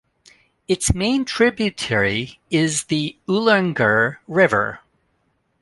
Its main tributary is the Ulungur River.